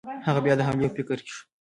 هغه بیا د حملې په فکر کې شو.